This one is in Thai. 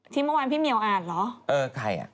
ที่เมื่อวานพี่เหมียวอ่านเหรอ